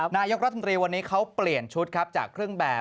นายกรัฐมนตรีวันนี้เขาเปลี่ยนชุดครับจากเครื่องแบบ